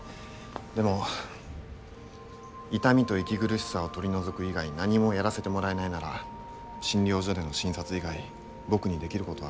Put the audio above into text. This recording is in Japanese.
でも痛みと息苦しさを取り除く以外何もやらせてもらえないなら診療所での診察以外僕にできることはありません。